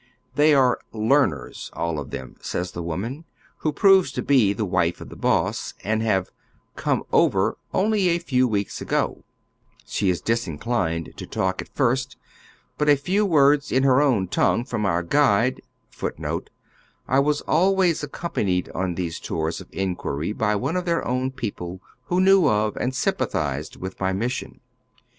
They are " learners," all of them, says the woman, who proves to be the wife of the boss, and have " come ovei'" only a few weeks ago. She is disinclined to talk at first, but a few words in her own tongue from onrgnide*8et her fears, whatever they are, at rest, and she grows almost * I was always accompanied on these tours of inqniry hj one of their own people who knew of and sympathized with my mission.